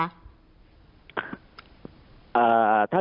ขอไม่หรือว่าจะเห็นช่วยอย่างไรที่อุตพาวไม่เล็กนะครับ